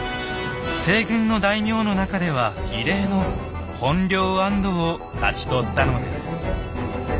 西軍の大名の中では異例の本領安堵を勝ち取ったのです。